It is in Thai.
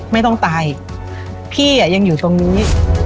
ไม่ต้องตายพี่ยังอยู่ตรงนี้